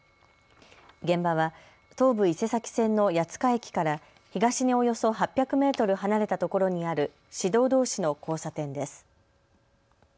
現場は東武伊勢崎線の谷塚駅から東におよそ８００メートル離れたところにある市道どうしの交差点です。